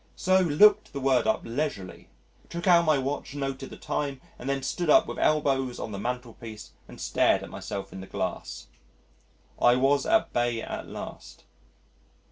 So looked the word up leisurely, took out my watch, noted the time, and then stood up with elbows on the mantelpiece and stared at myself in the glass.... I was at bay at last.